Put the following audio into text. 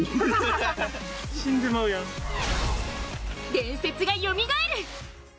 伝説がよみがえる！